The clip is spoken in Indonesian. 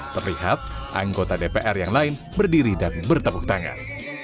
terlihat anggota dpr yang lain berdiri dan bertepuk tangan